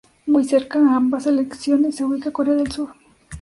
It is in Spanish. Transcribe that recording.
Muy cerca a ambas selecciones se ubica Corea del Sur.